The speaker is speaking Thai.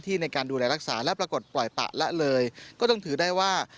ในการดูแลรักษาและปรากฏปล่อยปะละเลยก็ต้องถือได้ว่า